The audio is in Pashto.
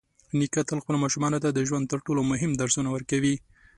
نیکه تل خپلو ماشومانو ته د ژوند تر ټولو مهم درسونه ورکوي.